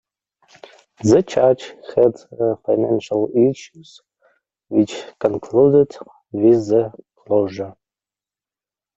The church had financial issues which concluded with the closure.